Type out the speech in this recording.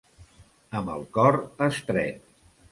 Amb el cor estret.